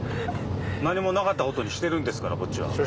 何もなかったコトにしてるんですからこっちは。